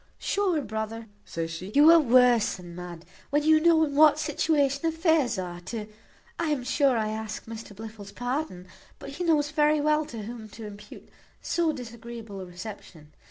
"Sure, brother," says she, "you are worse than mad, when you know in what situation affairs are, to I am sure I ask Mr Blifil's pardon, but he knows very well to whom to impute so disagreeable a reception.